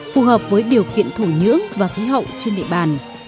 phù hợp với điều kiện thổ nhưỡng và khí hậu trên địa bàn